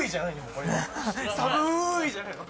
これ「さぶい」じゃないの？